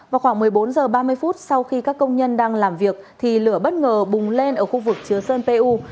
vào khoảng một mươi bốn h ba mươi phút sau khi các công nhân đang làm việc thì lửa bất ngờ bùng lên ở khu vực chứa sơn pu